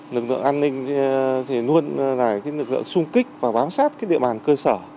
lực lượng an ninh luôn là lực lượng sung kích và bám sát địa bàn cơ sở